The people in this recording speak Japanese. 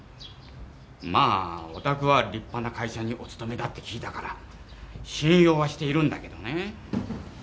まぁお宅は立派な会社にお勤めだって聞いたから信用はしているんだけどね。